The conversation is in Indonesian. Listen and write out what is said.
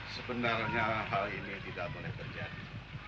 sebenarnya hal ini tidak boleh terjadi